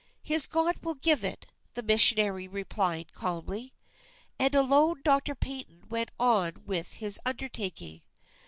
"His God will give it," the missionary replied, calmly. And alone Doctor Paton went on with his undertaking.